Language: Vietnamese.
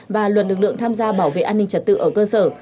và luật lực lượng tham gia bảo vệ an ninh trật tự ở cơ sở